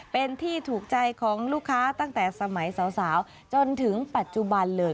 เป็นที่ถูกใจของลูกค้าตั้งแต่สมัยสาวจนถึงปัจจุบันเลย